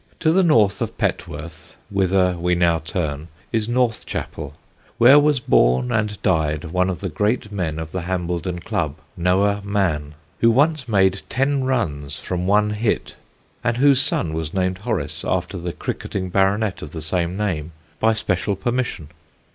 To the north of Petworth, whither we now turn, is Northchapel, where was born and died one of the great men of the Hambledon Club, Noah Mann, who once made ten runs from one hit, and whose son was named Horace, after the cricketing baronet of the same name, by special permission.